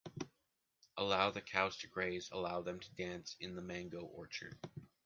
Allow the cows to graze! Allow them to dance in the mango orchard!